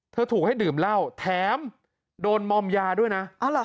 ถูกให้ดื่มเหล้าแถมโดนมอมยาด้วยนะ